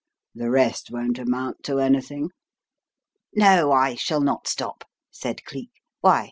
The rest won't amount to anything." "No, I shall not stop," said Cleek. "Why?